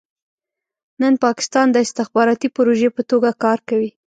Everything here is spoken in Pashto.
نن پاکستان د استخباراتي پروژې په توګه کار کوي.